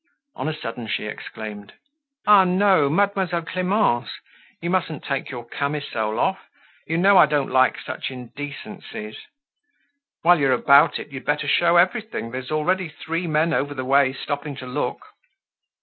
On a sudden she exclaimed: "Ah, no! Mademoiselle Clemence, you mustn't take your camisole off. You know I don't like such indecencies. Whilst you're about it, you'd better show everything. There's already three men over the way stopping to look."